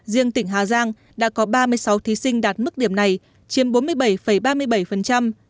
riêng tỉnh hà giang đã có ba mươi sáu thí sinh đạt mức điểm này chiếm bốn mươi bảy ba mươi bảy